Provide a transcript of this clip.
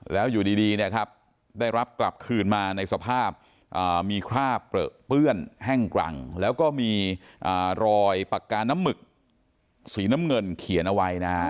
แล้วอยู่ดีเนี่ยครับได้รับกลับคืนมาในสภาพมีคราบเปลือเปื้อนแห้งกรังแล้วก็มีรอยปากกาน้ำหมึกสีน้ำเงินเขียนเอาไว้นะฮะ